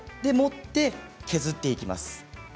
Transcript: そして削っていきます。